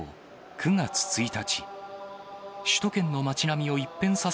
９月１日？